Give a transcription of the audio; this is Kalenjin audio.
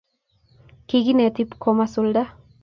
kikinet ip ko masulda